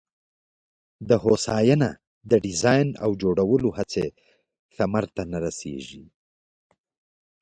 د هوساینه د ډیزاین او جوړولو هڅې ثمر ته نه رسېږي.